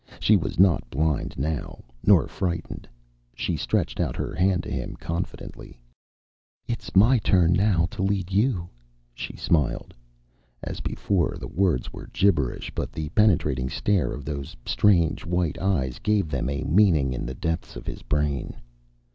She was not blind now, nor frightened. She stretched out her hand to him confidently. "It is my turn now to lead you," she smiled. As before, the words were gibberish, but the penetrating stare of those strange white eyes gave them a meaning in the depths of his brain.